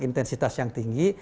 intensitas yang tinggi